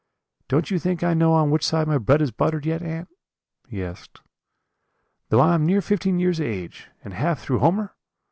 'Don't you think I know on which side my bread is buttered yet, aunt?' he asked; 'though I am near fifteen years of age, and half through Homer?